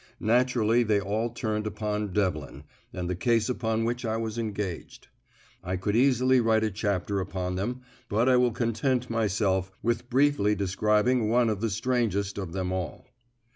Naturally they all turned upon Devlin and the case upon which I was engaged. I could easily write a chapter upon them, but I will content myself with briefly describing one of the strangest of them all.